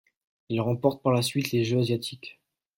Il remporte par la suite les Jeux asiatiques.